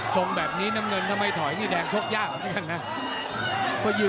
ทรงแบบนี้น้ำเงินถ้าไม่ถอยนี่แดงชกยากเหมือนกันนะ